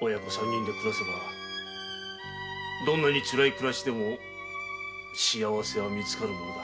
親子三人で暮らせばどんなにつらい暮らしでも幸せはみつかるものだ。